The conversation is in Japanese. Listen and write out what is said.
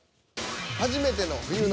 「初めての」「冬の」